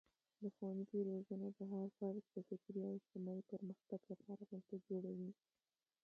د ښوونځي روزنه د هر فرد د فکري او اجتماعي پرمختګ لپاره بنسټ جوړوي.